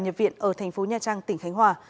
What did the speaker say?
nhập viện ở tp nha trang tỉnh khánh hòa